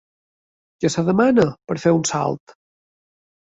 Què es demana per fer un salt?